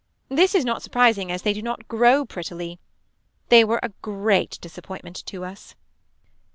This is not surprising as they do not grow prettily. They were a great disappointment to us.